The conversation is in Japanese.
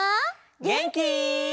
げんき？